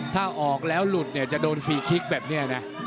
ถ้าออกแล้วหลุดเนี่ยจะโดนฟรีคลิกแบบนี้นะ